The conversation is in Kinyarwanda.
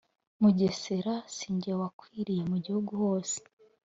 Mugesera sinjye wakwiriye mu gihugu hose”